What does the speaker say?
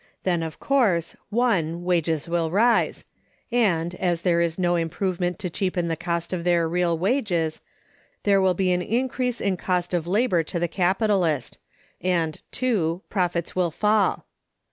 Then, of course (1), wages will rise; and, as there is no improvement to cheapen the cost of their real wages, there will be an increase in cost of labor to the capitalist, and (2) profits will fall.